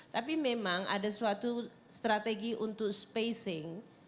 tapi memang ada suatu strategi untuk spacing